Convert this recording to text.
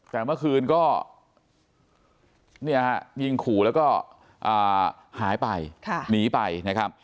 แต่เมื่อคืนก็ยิงขู่แล้วก็หายไปหนีไปนะครับ